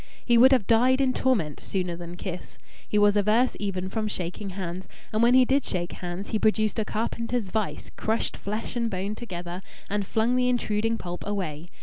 He would have died in torment sooner than kiss. He was averse even from shaking hands, and when he did shake hands he produced a carpenter's vice, crushed flesh and bone together, and flung the intruding pulp away.